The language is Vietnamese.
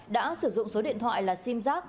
đã sử dụng số điện thoại là sim giác